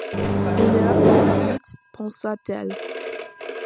Une heure dix-huit, pensa-t-elle.